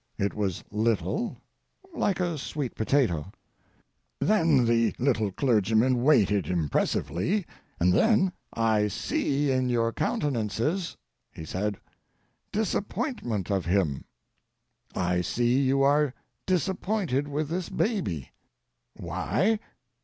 It was little, like a sweet potato. Then the little clergyman waited impressively, and then: "I see in your countenances," he said, "disappointment of him. I see you are disappointed with this baby. Why?